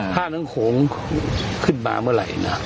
ถ้าน้ำโขงขึ้นมาเมื่อไหร่นะ